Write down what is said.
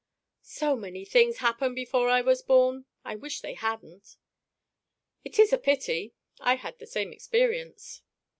"So many things happened before I was born; I wish they hadn't!" "It is a pity; I had the same experience."